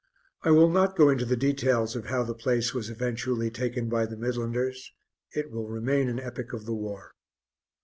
I will not go into details of how the place was eventually taken by the Midlanders it will remain an epic of the war.